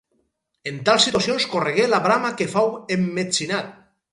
En tals situacions corregué la brama que fou emmetzinat.